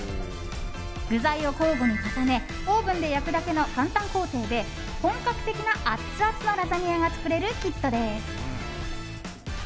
具材を交互に重ねオーブンで焼くだけの簡単工程で本格的なアツアツのラザニアが作れるキットです。